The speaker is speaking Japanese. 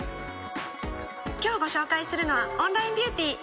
今日ご紹介するのは「オンライン・ビューティー」